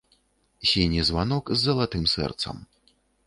Сіні званок з залатым сэрцам.